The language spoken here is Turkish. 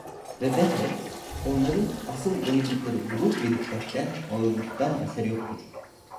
Ve bende, onların asıl bayıldıkları gurur ve dikkatten, ağırlıktan eser yoktur.